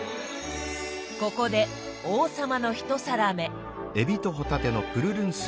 ここで王様の１皿目。